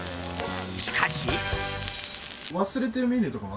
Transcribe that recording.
しかし。